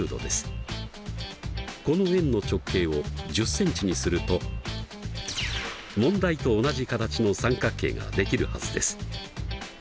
この円の直径を１０ｃｍにすると問題と同じ形の三角形ができるはずです。